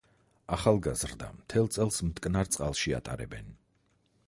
ახალგაზრდა მთელ წელს მტკნარ წყალში ატარებენ.